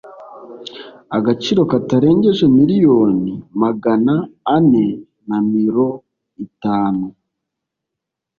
agaciro katarengeje miliyoni magana ane na miro itanu